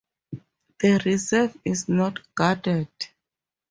The reserve is not guarded.